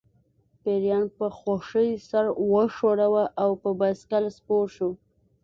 پیریان په خوښۍ سر وښوراوه او په بایسکل سپور شو